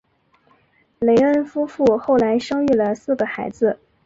雷恩夫妇后来生育了四个孩子。